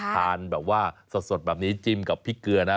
ทานแบบว่าสดแบบนี้จิ้มกับพริกเกลือนะ